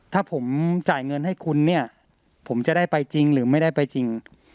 ถ้าผมจ่ายเงินให้คุณเนี่ยผมจะได้ไปจริงหรือไม่ได้ไปจริง